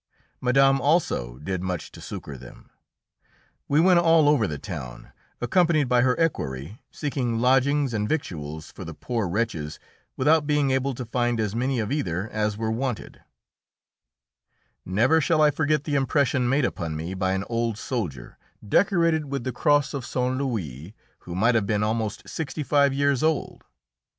Madame also did much to succour them; we went all over the town, accompanied by her equerry, seeking lodgings and victuals for the poor wretches, without being able to find as many of either as were wanted. [Illustration: MARIE ANTOINETTE, QUEEN OF FRANCE.] Never shall I forget the impression made upon me by an old soldier, decorated with the cross of St. Louis, who might have been about sixty five years old.